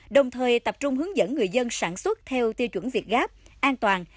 đồng thời tập trung hướng dẫn người dân sản xuất theo tiêu chuẩn việt gáp an toàn